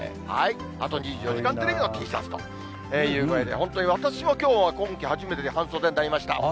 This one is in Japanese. あと２４時間テレビのＴシャツという具合で、本当に私もきょうは今季初めて半袖になりました。